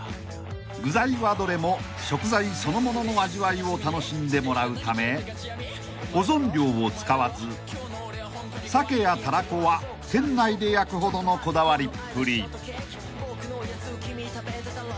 ［具材はどれも食材その物の味わいを楽しんでもらうため保存料を使わずサケやタラコは店内で焼くほどのこだわりっぷり］